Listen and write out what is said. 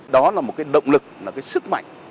đó là một cái động lực là cái sức mạnh